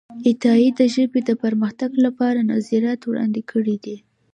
عطايي د ژبې د پرمختګ لپاره نظریات وړاندې کړي دي.